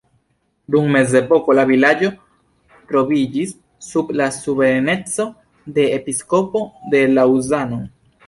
Dum mezepoko la vilaĝo troviĝis sub la suvereneco de episkopo de Laŭzano.